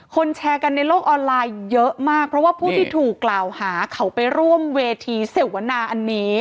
แชร์กันในโลกออนไลน์เยอะมากเพราะว่าผู้ที่ถูกกล่าวหาเขาไปร่วมเวทีเสวนาอันนี้